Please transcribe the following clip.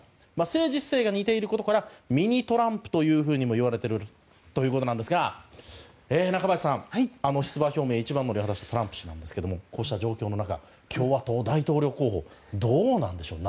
政治姿勢が似ていることからミニトランプというふうにもいわれているということですが中林さん、出馬表明の一番乗りをしたトランプ氏ですがこうした状況の中共和党大統領候補どうなんでしょう。